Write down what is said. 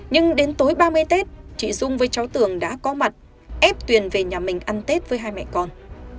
nhưng đến tối ba mươi tết chị dung với cháu tường đã có mặt ép tuyền về nhà mình ăn tết với hai mẹ con